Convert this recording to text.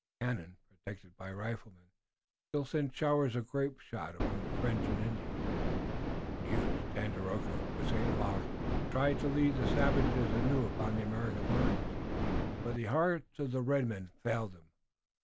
The cannon, protected by the riflemen, still sent showers of grape shot among the French and Indians. The huge Tandakora with St. Luc tried to lead the savages anew upon the American lines, but the hearts of the red men failed them.